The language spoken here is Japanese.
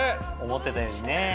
思ってたよりね。